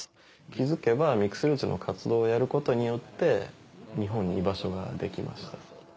気付けばミックスルーツの活動をやることによって日本に居場所ができました。